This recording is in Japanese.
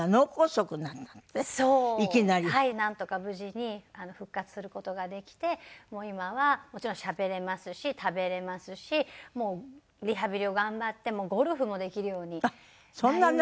なんとか無事に復活する事ができて今はもちろんしゃべれますし食べれますしリハビリを頑張ってゴルフもできるようになりました。